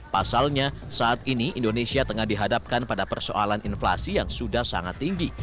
pasalnya saat ini indonesia tengah dihadapkan pada persoalan inflasi yang sudah sangat tinggi